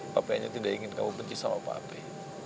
papi hanya tidak ingin kamu benci sama papi